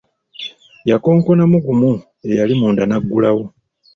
Yakonkonamu gumu eyali munda n’aggulawo.